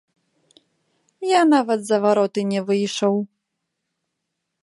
Я нават за вароты не выйшаў.